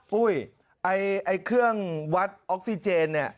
ปุ้ยไอ้เครื่องวัดออกซิเจนเนี่ย